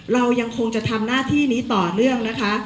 เรายังคงจะทำหน้าที่นี้ต่อเนื่องนะคะ